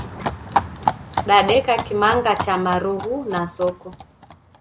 Dadeka kimanga cha marughu na soko.